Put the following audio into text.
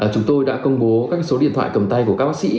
chúng tôi đã công bố các số điện thoại cầm tay của các bác sĩ